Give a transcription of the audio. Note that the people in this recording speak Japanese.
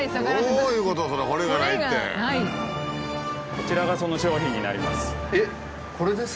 こちらがその商品になります。